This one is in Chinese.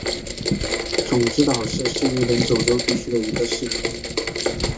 种子岛氏是日本九州地区的一个氏族。